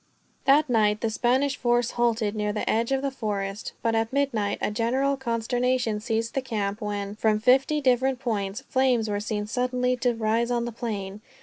That night the Spanish force halted near the edge of the forest; but at midnight a general consternation seized the camp when, from fifty different points, flames were seen suddenly to rise on the plain.